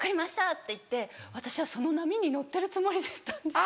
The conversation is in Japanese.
って言って私はその波に乗ってるつもりだったんです。